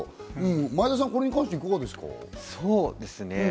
前田さん、これに関していかがですか？